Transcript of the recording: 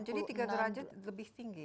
jadi tiga derajat lebih tinggi